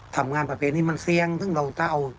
ทำงานประเภทนี้มันเสี่ยงซึ่งเราจะเอา